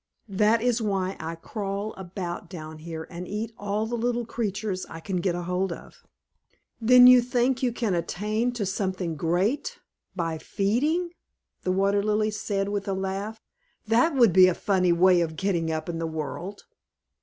That is why I crawl about down here and eat all the little creatures I can get hold of." "Then you think you can attain to something great _by feeding! _" the Water Lily said, with a laugh. "That would be a funny way of getting up in the world."